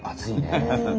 ハハハハ。